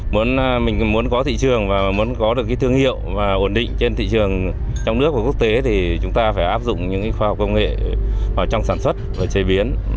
mình muốn có thị trường và muốn có được cái thương hiệu ổn định trên thị trường trong nước và quốc tế thì chúng ta phải áp dụng những khoa học công nghệ vào trong sản xuất và chế biến